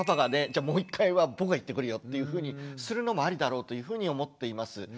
じゃあ「もう１回は僕が行ってくるよ」っていうふうにするのもアリだろうというふうに思っています。